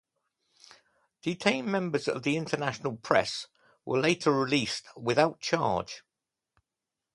Detained members of the international press were later released without charge.